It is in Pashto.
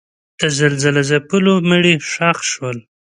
د زلزله ځپلو مړي ښخ شول.